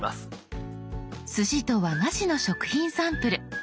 すしと和菓子の食品サンプル。